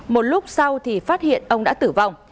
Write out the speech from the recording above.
một lúc sau thì phát hiện ông đã tử vong